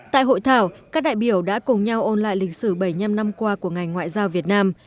tại hội thảo các đại biểu đã cùng nhau ôn lại lịch sử bảy mươi năm năm qua của ngành ngoại giao việt nam